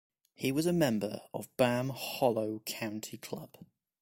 He was a member of Bamm Hollow Country Club.